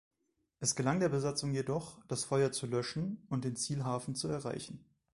Es gelang der Besatzung jedoch, das Feuer zu löschen und den Zielhafen zu erreichen.